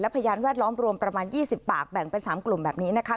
พยานแวดล้อมรวมประมาณ๒๐ปากแบ่งเป็น๓กลุ่มแบบนี้นะคะ